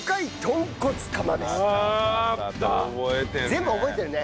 全部覚えてるね。